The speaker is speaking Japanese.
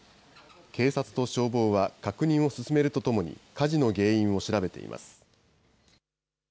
警察と消防は確認を進めるとともに、火事の原因を調べています。